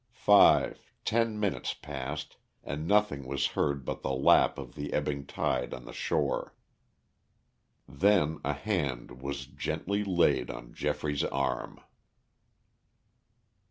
Five, ten minutes passed, and nothing was heard but the lap of the ebbing tide on the shore. Then a hand was gently laid on Geoffrey's arm.